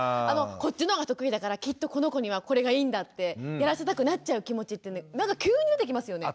こっちの方が得意だからきっとこの子にはこれがいいんだってやらせたくなっちゃう気持ちってなんか急に出てきますよね。